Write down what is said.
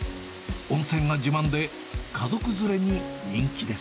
温泉が自慢で家族連れに人気です。